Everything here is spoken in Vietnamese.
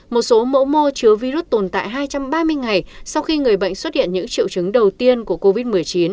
một số mẫu mô chứa virus tồn tại hai trăm ba mươi ngày sau khi người bệnh xuất hiện những triệu chứng đầu tiên của covid một mươi chín